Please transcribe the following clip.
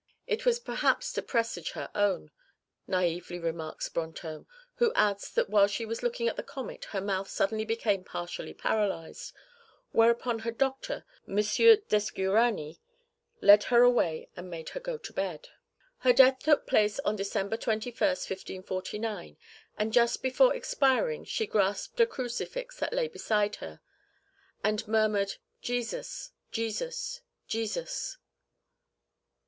"It was perhaps to presage her own," naively remarks Brantôme, who adds that while she was looking at the comet her mouth suddenly became partially paralysed, whereupon her doctor, M. d'Escuranis, led her away and made her go to bed. Her death took place on December 21st, 1549, and just before expiring she grasped a crucifix that lay beside her and murmured, "Jesus, Jesus, Jesus."